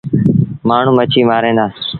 مآڻهوٚݩ مڇيٚ مآرين دآ۔